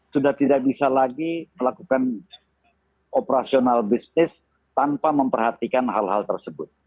sudah tidak bisa lagi melakukan operasional bisnis tanpa memperhatikan hal hal tersebut